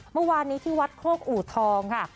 เมื่อวานนี้ที่วัดโคกอูทองค่ะ